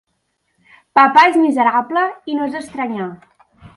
Papà és miserable, i no és d'estranyar!